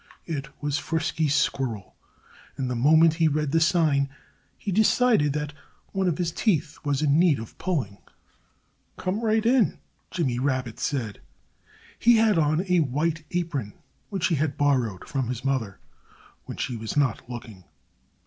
It was Frisky Squirrel. And the moment he read the sign he decided that one of his teeth was in need of pulling. "Come right in!" Jimmy Rabbit said. He had on a white apron, which he had borrowed from his mother when she was not looking.